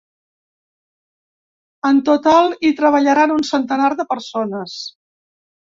En total hi treballaran un centenar de persones.